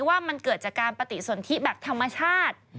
ว่ามันเกิดจากการปฏิสนทิแบบธรรมชาติ